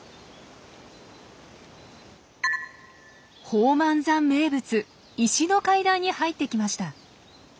宝満山名物石の階段に入ってきました。